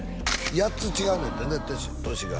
８つ違うねんてね年が